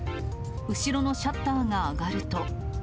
後ろのシャッターが上がると。